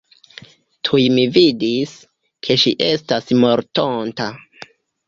Tuj mi vidis, ke ŝi estas mortonta.